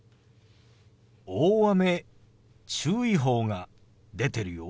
大雨注意報が出てるよ。